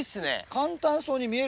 簡単そうに見えるでしょ。